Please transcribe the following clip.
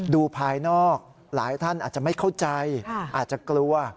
ภายนอกหลายท่านอาจจะไม่เข้าใจอาจจะกลัว